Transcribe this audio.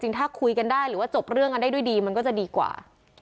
ถ้าคุยกันได้หรือว่าจบเรื่องกันได้ด้วยดีมันก็จะดีกว่า